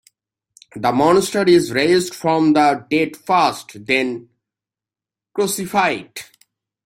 The Monster is raised from the dead first, then crucified.